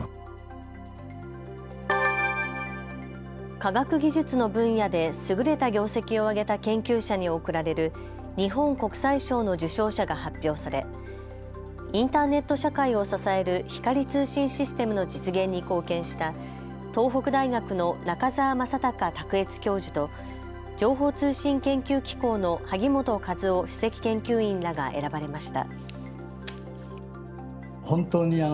科学技術の分野で優れた業績を上げた研究者に贈られる日本国際賞の授賞者が発表されインターネット社会を支える光通信システムの実現に貢献した東北大学の中沢正隆卓越教授と情報通信研究機構の萩本和男主席研究員らが選ばれました。